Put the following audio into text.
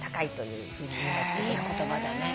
いい言葉だね。